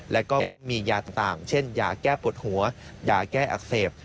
แล้วก็มียาต่างเช่นยาแก้ปวดหัวยาแก้อักเสบ